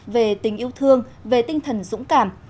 về tình yêu thương về tinh thần dũng cảm